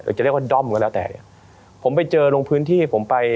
จะเรียกว่าด้อมก็แล้วแต่เนี่ยผมไปเจอลงพื้นที่ผมไป